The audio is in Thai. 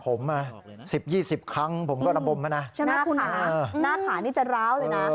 ผม๑๐๒๐ครั้งผมก็ระบมนะหน้าขานี่จะร้าวเลยนะ